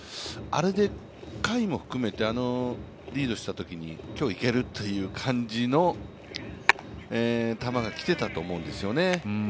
あれで甲斐も含めて、リードしたときに、今日いけるという感じの球が来てたと思うんですよね。